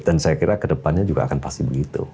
dan saya kira kedepannya juga akan pasti begitu